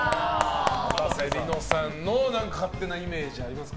かたせ梨乃さんの勝手なイメージはありますか？